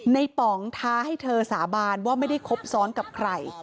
ป๋องท้าให้เธอสาบานว่าไม่ได้คบซ้อนกับใคร